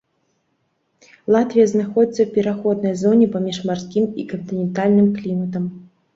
Латвія знаходзіцца ў пераходнай зоне паміж марскім і кантынентальным кліматам.